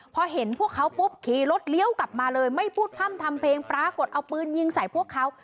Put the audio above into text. พอเห็นพวกเขาปุ๊บขี่รถเลี้ยวกลับมาเลยไม่พูดพร่ำทำเพลงปรากฏเอาปืนยิงใส่พวกเขา